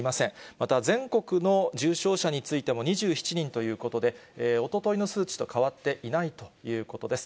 また、全国の重症者についても２７人ということで、おとといの数値と変わっていないということです。